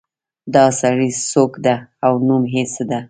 دا سړی څوک ده او نوم یې څه ده